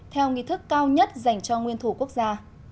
theo nghi thức cao nhất dành cho nguyên thủ quốc gia